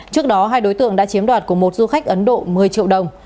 trước đó hai đối tượng đã chiếm đoạt của một du khách ấn độ một mươi triệu đồng